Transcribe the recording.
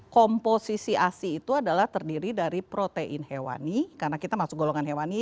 komposisi asi itu adalah terdiri dari protein hewani karena kita masuk golongan hewani